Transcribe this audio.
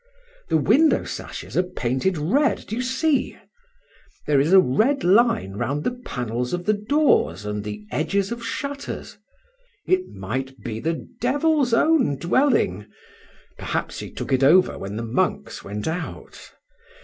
The window sashes are painted red, do you see? There is a red line round the panels of the doors and the edges of the shutters. It might be the devil's own dwelling; perhaps he took it over when the monks went out.